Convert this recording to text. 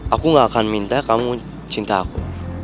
aku gak akan minta kamu cinta aku